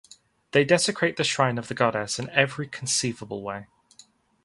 They desecrate the shrine of the goddess in every conceivable way.